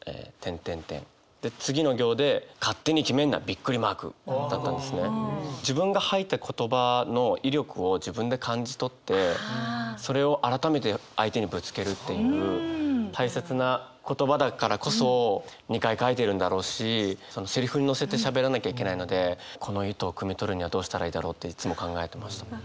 で次の行で「勝手に決めんな！」だったんですね。自分が吐いた言葉の威力を自分で感じ取ってそれを改めて相手にぶつけるっていう大切な言葉だからこそ２回書いてるんだろうしそのセリフにのせてしゃべらなきゃいけないのでこの意図をくみ取るにはどうしたらいいだろうっていつも考えてました。